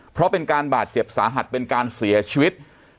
เพราะเป็นการบาดเจ็บสาหัสเป็นการเสียชีวิต